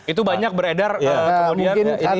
itu banyak beredar kemudian